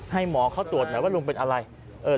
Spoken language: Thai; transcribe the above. ให้หมอเขาตรวจหน่อยว่าลุงเป็นอะไร